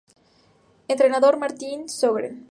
Entrenador: Martin Sjögren